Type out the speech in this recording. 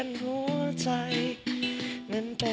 ขอบคุณค่ะ